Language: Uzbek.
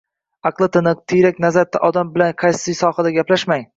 aqli tiniq, tiyrak nazar odam bilan qaysi sohada gaplashmang